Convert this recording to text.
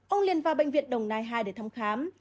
ông liền vào bệnh viện đồng nai hai để thăm khám